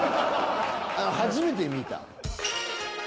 初めて見た。